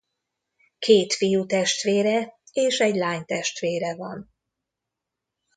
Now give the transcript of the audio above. Két fiútestvére és egy lánytestvére van.